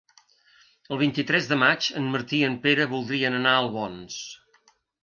El vint-i-tres de maig en Martí i en Pere voldrien anar a Albons.